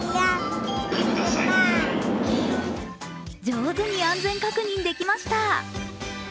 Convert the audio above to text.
上手に安全確認できました。